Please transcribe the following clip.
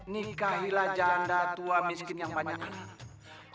nih nikahilah janda tua miskin yang banyak anak